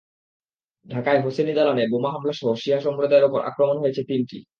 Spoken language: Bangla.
ঢাকায় হোসেনি দালানে বোমা হামলাসহ শিয়া সম্প্রদায়ের ওপর আক্রমণ হয়েছে তিনটি।